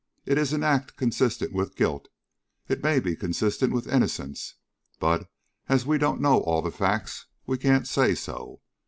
It is an act consistent with guilt. It may be consistent with innocence, but, as we don't know all the facts, we can't say so.